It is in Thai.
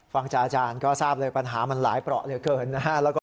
ฟังจ้าอาจารย์ก็ทราบเลยปัญหามันหลายเปราะเกินนะครับ